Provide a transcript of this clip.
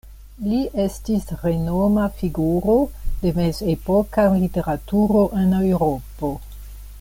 Li estis renoma figuro de mezepoka literaturo en Eŭropo.